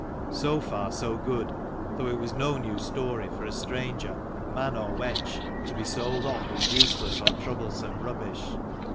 So far so good : though it was no new story for a stranger, man or wench, to be sold off as useless or troublesome rubbish.